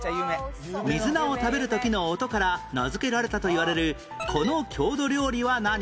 水菜を食べる時の音から名づけられたいわれるこの郷土料理は何？